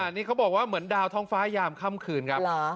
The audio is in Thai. นี่เขาบอกว่าเหมือนดาวท้องฟ้ายามค่ำคืนครับ